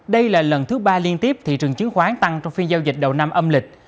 đây là lần thứ ba liên tiếp thị trường chứng khoán tăng trong phiên giao dịch đầu năm âm lịch